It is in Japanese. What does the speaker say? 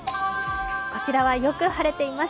こちらはよく晴れています。